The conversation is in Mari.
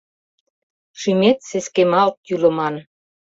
Шӱмет сескемалт йӱлыман.